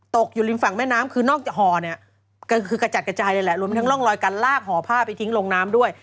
ตกอยู่ริมฝั่งแม่น้ำคือนอกจากห่อเนี่ยก็คือกระจัดกระจายเลยแหละรวมทั้งร่องรอยการลากห่อผ้าไปทิ้งลงน้ำด้วย